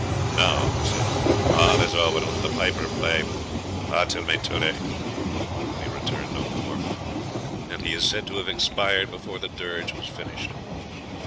"Now," he said, "all is over let the piper play, Ha til mi tulidh" (we return no more); and he is said to have expired before the dirge was finished.